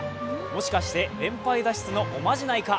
もしかして、連敗脱出のおまじないか？